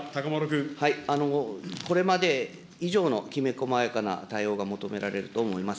これまで以上のきめこまやかな対応が求められると思います。